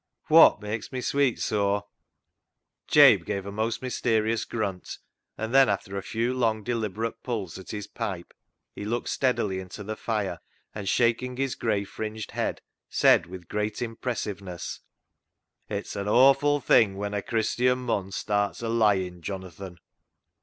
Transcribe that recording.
Whot mak's me sweeat soa ?" Jabe gave a most mysterious grunt, and then after a few long, deliberate pulls at his pipe he looked steadily into the fire, and 172 CLOG SHOP CHRONICLES shaking his grey fringed head, said with great impressiveness —" It's an awful thing when a Christian mon starts o' lyin', Jonathan."